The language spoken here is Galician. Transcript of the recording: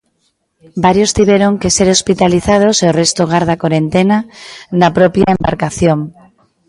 Varios tiveron que ser hospitalizados e o resto garda corentena na propia embarcación.